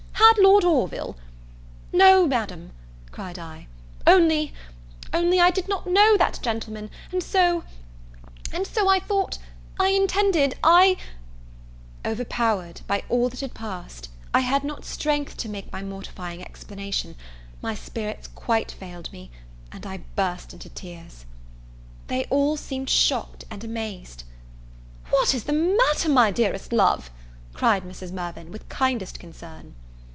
had Lord Orville " "No, Madam," cried I, "only only I did not know that gentleman, and so and so I thought I intended I " Overpowered by all that had passed, I had not strength to make my mortifying explanation; my spirits quite failed me, and I burst into tears. They all seemed shocked and amazed. "What is the matter, my dearest love?" cried Mrs. Mirvan, with kindest concern.